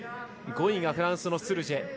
５位がフランスのスルジェ。